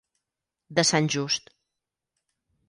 De Sant Just.